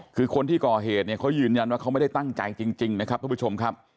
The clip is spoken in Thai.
คือคนที่ก่อเหตุเนี่ยเขายืนยันว่าเขาไม่ได้ตั้งใจจริงนะครับทุกผู้ชมครับ